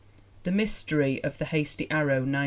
The Mystery of the Hasty Arrow, 1917.